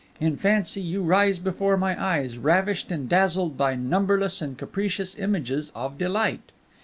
In fancy you rise before my eyes, ravished and dazzled by numberless and capricious images of delight.